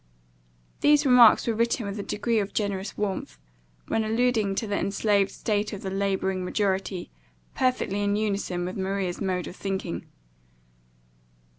These remarks were written with a degree of generous warmth, when alluding to the enslaved state of the labouring majority, perfectly in unison with Maria's mode of thinking.